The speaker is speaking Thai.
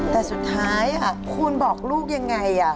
แต่สุดท้ายคุณบอกลูกยังไง